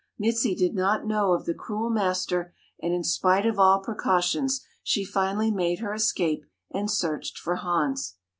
Mizi did not know of the cruel master and in spite of all precautions she finally made her escape and searched for Hans.